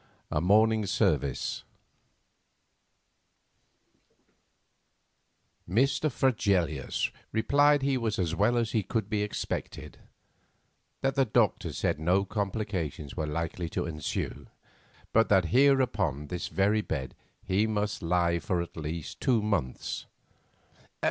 A MORNING SERVICE Mr. Fregelius replied he was as well as could be expected; that the doctor said no complications were likely to ensue, but that here upon this very bed he must lie for at least two months.